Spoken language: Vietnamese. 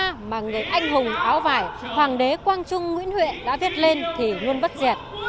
trang ca mà người anh hùng áo vải hoàng đế quang trung nguyễn huệ đã viết lên thì luôn vất dẹt